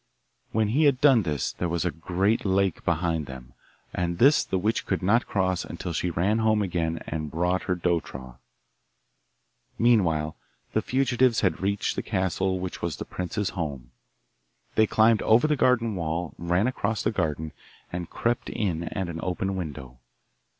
When he had done this there was a great lake behind them, and this the witch could not cross until she ran home again and brought her dough trough. Meanwhile the fugitives had reached the castle which was the prince's home. They climbed over the garden wall, ran across the garden, and crept in at an open window.